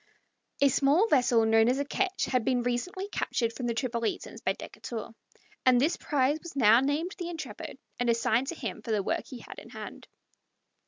A small vessel known as a ketch had been recently captured from the Tripolitans by Decatur, and this prize was now named the Intrepid, and assigned to him for the work he had in hand.